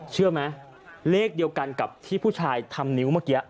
เชื่อไหมเลขเดียวกันกับที่ผู้ชายทำนิ้วเมื่อกี้